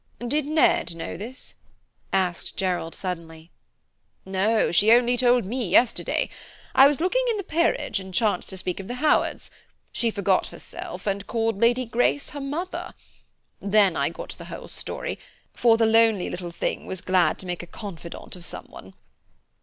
"Did Ned know this?" asked Gerald suddenly. "No, she only told me yesterday. I was looking in the Peerage and chanced to speak of the Howards. She forgot herself and called Lady Grace her mother. Then I got the whole story, for the lonely little thing was glad to make a confidant of someone."